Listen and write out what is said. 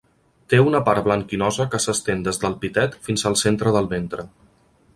Té una part blanquinosa que s'estén des del pitet fins al centre del ventre.